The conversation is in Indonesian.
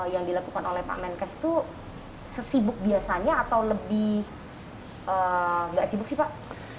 yang dilakukan oleh pak menkes itu sesibuk biasanya atau lebih nggak sibuk sih pak